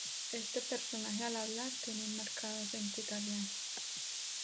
Este personaje al hablar tiene un marcado acento italiano.